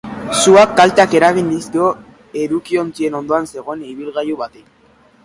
Suak kalteak eragin dizkio edukiontzien ondoan zegoen ibilgailu bati.